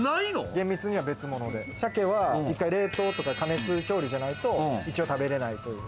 厳密には別物で、鮭は一回冷凍とか加熱調理じゃないと食べられないという。